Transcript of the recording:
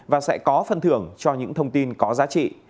và sẽ có phân thưởng cho những thông tin có giá trị